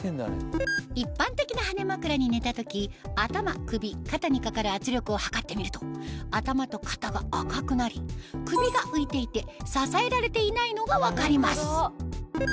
一般的な羽根まくらに寝た時頭首肩にかかる圧力を測ってみると頭と肩が赤くなり首が浮いていて支えられていないのが分かります